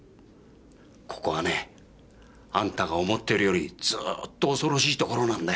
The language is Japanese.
ここはねあんたが思ってるよりずーっと恐ろしいところなんだよ。